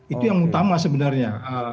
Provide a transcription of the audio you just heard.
itu yang utama sebenarnya